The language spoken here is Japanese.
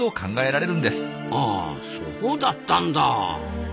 あそうだったんだ。